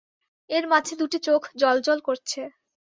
এর মাঝে দুটি চোখ জ্বলজ্বল করছে।